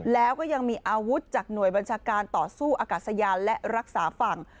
แล้วก็ยังมีอาวุธจากหน่วยบัญชาการต่อสู้อากาศยานและรักษาฝั่ง